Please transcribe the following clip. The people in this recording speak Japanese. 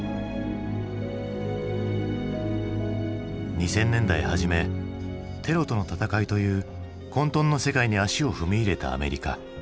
２０００年代初めテロとの戦いという混とんの世界に足を踏み入れたアメリカ。